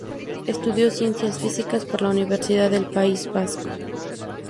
Estudió Ciencias Físicas por la Universidad del País Vasco.